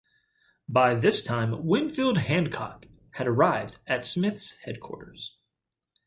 By this time Winfield Hancock had arrived at Smith's headquarters.